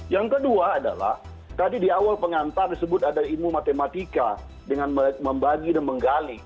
yang kedua adalah tadi di awal pengantar disebut ada ilmu matematika dengan membagi dan menggali